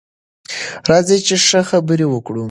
راځئ چې ښه خبرې وکړو.